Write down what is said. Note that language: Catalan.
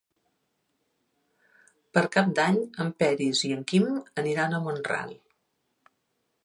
Per Cap d'Any en Peris i en Quim aniran a Mont-ral.